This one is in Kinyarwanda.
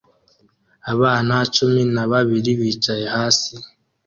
Abana cumi na babiri bicaye hasi